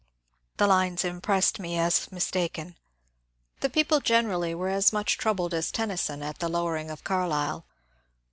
The lines impressed me as mis taken. The people generally were as much troubled as Ten nyson at the lowering of Carlyle.